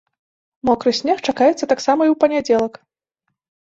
Мокры снег чакаецца таксама і ў панядзелак.